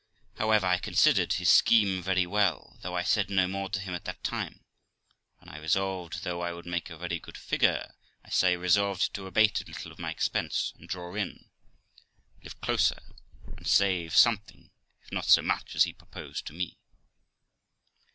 However, I considered his scheme THE LIFE OF ROXANA 293 very well, though I said no more to him at that time, and I resolved, though I would make a very good figure, I say I resolved to abate a little of my expense, and draw in, live closer, and save something, if not so much as he proposed to me.